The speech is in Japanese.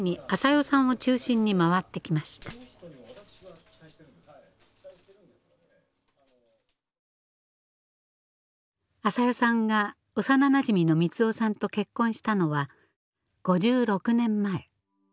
あさよさんが幼なじみの三男さんと結婚したのは５６年前。